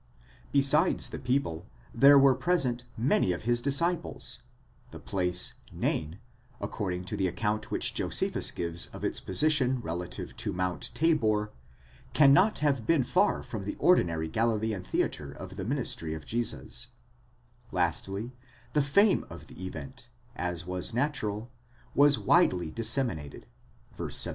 Besides the people, there were pre sent many of his disciples, μαθηταὶ ἱκανοὶ ; the place, Nain, according to the account which Josephus gives of its position relative to Mount Tabor, cannot have been far from the ordinary Galilean theatre of the ministry of Jesus ; 9 lastly, the fame of the event, as was natural, was widely disseminated (v. 17).